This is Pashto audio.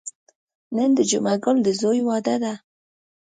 نن د جمعه ګل د ځوی واده دی.